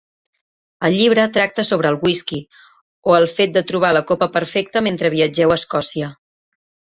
El llibre tracta sobre el whisky o el fet de trobar la copa perfecte mentre viatgeu a Escòcia.